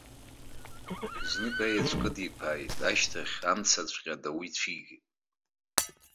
Знык аеҵәа кыдиԥааит, ашьҭахь амцаҵәҟьа адау ицәигеит.